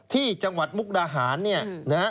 ที่จังหวัดมุกดาหารเนี่ยนะฮะ